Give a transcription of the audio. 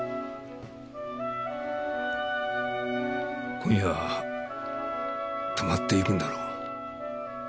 今夜泊まっていくんだろ？